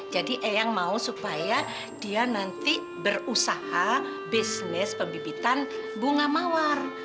jadi eyang mau supaya dia nanti berusaha bisnis pembibitan bunga mawar